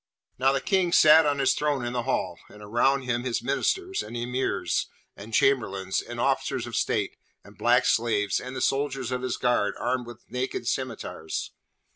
Now, the King sat on his throne in the Hall, and around him his ministers, and Emirs, and chamberlains, and officers of state, and black slaves, and the soldiers of his guard armed with naked scimitars.